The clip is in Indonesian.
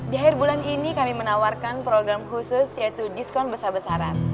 di akhir bulan ini kami menawarkan program khusus yaitu diskon besar besaran